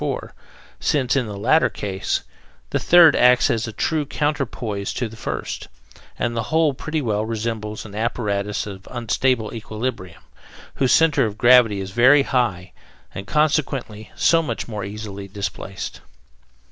4), since, in the latter case, the third acts as a true counter poise to the first, and the whole pretty well resembles an apparatus of unstable equilibrium, whose centre of gravity is very high and, consequently, so much more easily displaced.